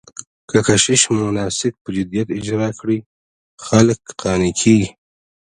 که کشیش مناسک په جديت اجرا کړي، خلک قانع کېږي.